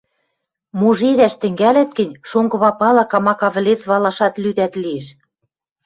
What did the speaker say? — Мужедӓш тӹнгӓлӓт гӹнь, шонгы папала камака вӹлец валашат лӱдӓт лиэш.